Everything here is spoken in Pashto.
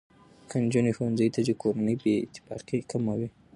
که نجونې ښوونځي ته ځي، کورنۍ بې اتفاقي کمه وي.